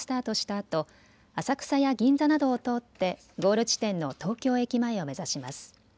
あと浅草や銀座などを通ってゴール地点の東京駅前を目指します。